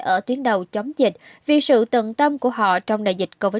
ở tuyến đầu chống dịch vì sự tận tâm của họ trong đại dịch covid một mươi chín